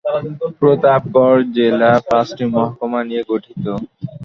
প্রতাপগড় জেলা পাঁচটি মহকুমা নিয়ে গঠিত।